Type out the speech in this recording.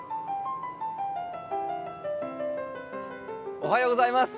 おはようございます。